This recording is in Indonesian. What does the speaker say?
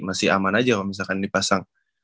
masih aman aja kalau misalkan dipasang